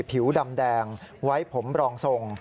ผิวดำแดงไว้ผมรองทรง